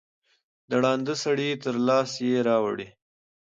د ړانده سړي تر لاسه یې راوړی